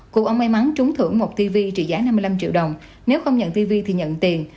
cụ ông may mắn trúng thưởng một tv trị giá năm mươi năm triệu đồng nếu không nhận tv thì nhận tiền